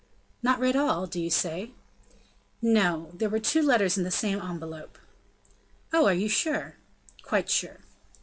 "Not read all, do you say?" "No; there were two letters in the same envelope." "Oh! are you sure?" "Quite sure."